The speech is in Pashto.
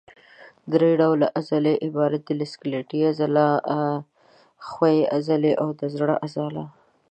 درې ډوله عضلې عبارت دي له سکلیټي عضلې، ښویې عضلې او د زړه عضله.